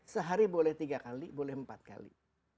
sehari boleh tiga kali boleh empat kali